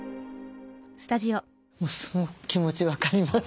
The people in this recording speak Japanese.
すごく気持ち分かります。